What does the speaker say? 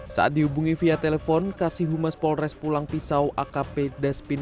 saat dihubungi via telepon kasih humas polres pulang pisau akp daspin